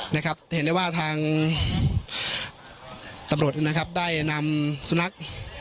นะครับจะเห็นได้ว่าทางตำรวจนะครับได้นำสุนัข